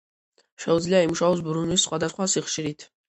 შეუძლია იმუშაოს ბრუნვის სხვადასხვა სიხშირით.